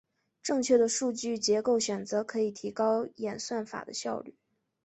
正确的数据结构选择可以提高演算法的效率。